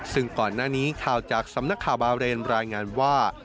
ซึ่งก่อนหน้านี้ข่าวจากสำนักข่าวบาเรนรายงานว่า